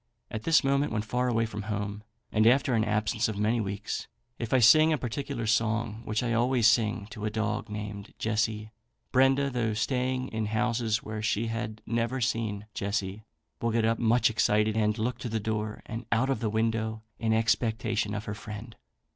At this moment, when far away from home, and after an absence of many weeks, if I sing a particular song, which I always sing to a dog named Jessie, Brenda, though staying in houses where she had never seen Jessie, will get up much excited, and look to the door and out of the window in expectation of her friend.